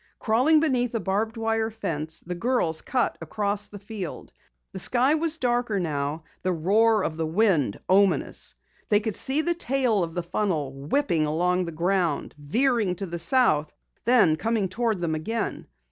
Crawling beneath a barbed wire fence, the girls cut across the field. The sky was darker now, the roar of the wind ominous. They could see the tail of the funnel whipping along the ground, veering to the south, then coming toward them again.